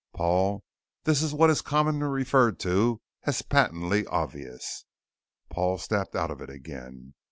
"Paul, this is what is commonly referred to as patently obvious." Paul snapped out of it again.